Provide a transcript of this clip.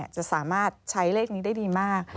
จะสามารถใช้เลขนี้ได้ดีมาก